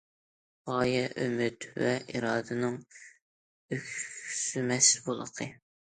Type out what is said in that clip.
غايە ئۈمىد ۋە ئىرادىنىڭ ئۆكسۈمەس بۇلىقى.